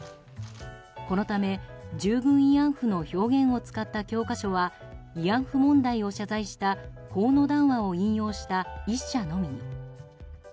このため、従軍慰安婦の表現を使った教科書は慰安婦問題を謝罪した河野談話を引用した１社のみに。